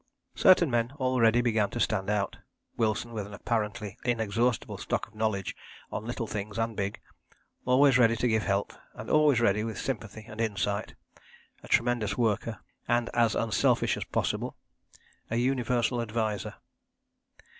Certain men already began to stand out. Wilson, with an apparently inexhaustible stock of knowledge on little things and big; always ready to give help, and always ready with sympathy and insight, a tremendous worker, and as unselfish as possible; a universal adviser.